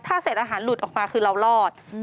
ถ้าเศษอาหารหลุดออกมาคือเรารอด